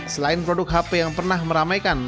selain produk hp yang pernah meramaikan